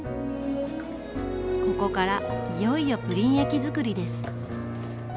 ここからいよいよプリン液づくりです。